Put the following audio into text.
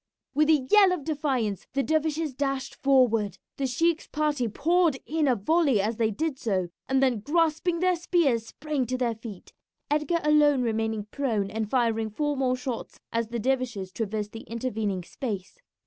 With a yell of defiance the dervishes dashed forward. The sheik's party poured in a volley as they did so, and then grasping their spears sprang to their feet, Edgar alone remaining prone, and firing four more shots as the dervishes traversed the intervening space.